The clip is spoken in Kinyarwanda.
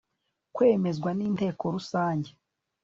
kwemezwa n inteko rusange